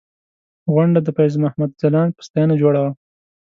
غونډه د فیض محمد ځلاند په ستاینه جوړه وه.